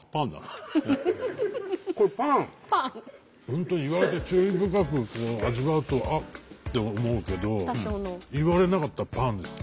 本当に言われて注意深く味わうと「あっ」って思うけど言われなかったらパンです。